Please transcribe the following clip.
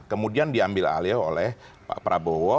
kemudian diambil alih oleh pak prabowo